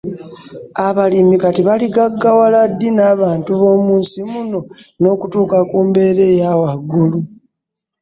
Abalimi kati baligaggawala ddi n'abantu b'omu nsi muno n'okutuuka ku mbeera ey'awaggulu.